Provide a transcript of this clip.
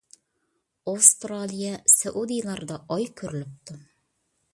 ئاۋسترالىيە، سەئۇدىلاردا ئاي كۆرۈلۈپتۇ.